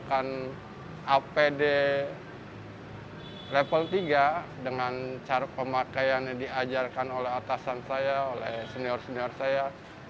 menggunakan apd level tiga dengan cara pemakaian yang diajarkan oleh atasan saya oleh senior senior saya